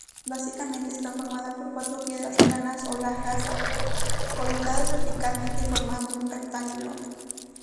Básicamente está formada por cuatro piedras planas o lajas, colocadas verticalmente formando un rectángulo.